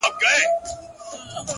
o ليري له بلا سومه ـچي ستا سومه ـ